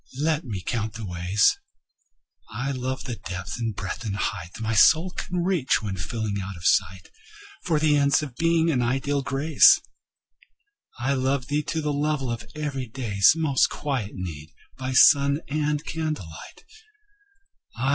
Let me count the ways. I love thee to the depth and breadth and height My soul can reach, when feeling out of sight For the ends of Being and ideal Grace. I love thee to the level of everyday's Most quiet need, by sun and candlelight.